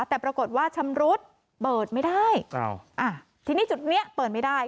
แต่ปรากฏว่าชำรุดเปิดไม่ได้ทีนี้จุดเนี้ยเปิดไม่ได้